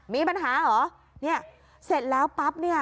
มีปัญหาเหรอเสร็จแล้วปั๊บ